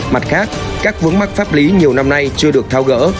mặt khác các vướng mắc pháp lý nhiều năm nay chưa được thao gỡ